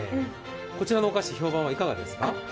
こちらのお菓子、評判はいかがですか？